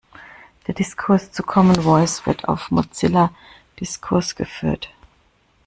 Der Diskurs zu Common Voice wird auf Mozilla Discourse geführt.